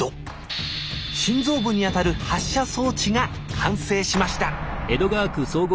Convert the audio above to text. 心臓部にあたる発射装置が完成しました！